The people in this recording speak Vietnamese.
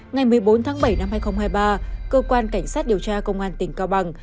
ngày một mươi bốn tháng bảy năm hai nghìn hai mươi ba cơ quan cảnh sát điều tra công an tỉnh cao bằng